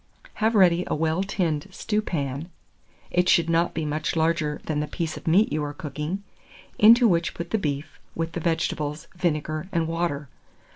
Have ready a well tinned stewpan (it should not be much larger than the piece of meat you are cooking), into which put the beef, with the vegetables, vinegar, and water.